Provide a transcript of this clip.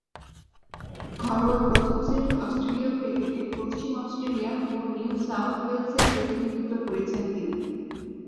ঘরোয়া প্রথম-শ্রেণীর অস্ট্রেলীয় ক্রিকেটে পশ্চিম অস্ট্রেলিয়া ও নিউ সাউথ ওয়েলসের প্রতিনিধিত্ব করেছেন তিনি।